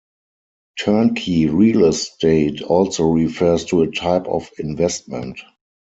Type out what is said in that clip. Turnkey real estate also refers to a type of investment.